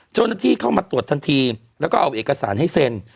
เจ้าหน้าที่เข้ามาตรวจทันทีแล้วก็เอาเอกสารให้เซ็น